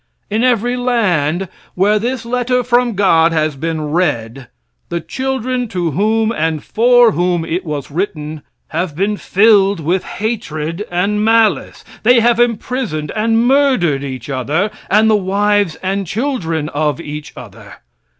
In every land, where this letter from God has been read, the children to whom and for whom it was written have been filled with hatred and malice. They have imprisoned and murdered each other, and the wives and children of each other.